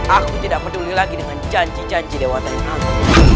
aku tidak peduli lagi dengan janji janji dewa tengku